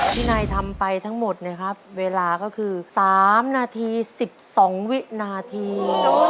ที่นายทำไปทั้งหมดนะครับเวลาก็คือ๓นาที๑๒วินาที